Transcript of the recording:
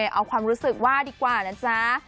เอาความรู้สึกว่าดีกว่านะจ๊ะ